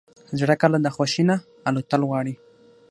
زړه کله د خوښۍ نه الوتل غواړي.